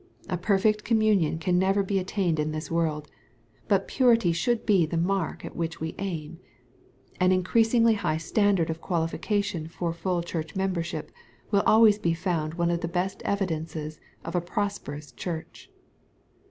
A perfect communion can never be attained in this world, but purity should be the mark at which we aim. An increasingly high standard of qualification for full church membership, will always be found one of the best evidences of a prosperous church.